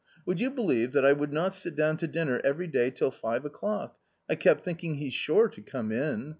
Would you believe that I would not sit down to dinner every day till five o'clock. I kept thinking he's sure to come in.